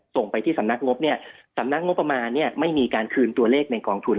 ส่งที่สำนักงบเอาไปไม่มีการคืนตัวเลขในกองทุน